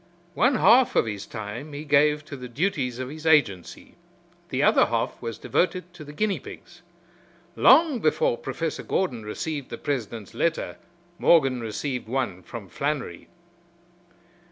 One half of his time he gave to the duties of his agency; the other half was devoted to the guinea pigs. Long before Professor Gordon received the president's letter Morgan received one from Flannery.